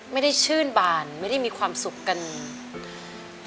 ไม่ได้ชื่นบานไม่ได้มีความสุขกัน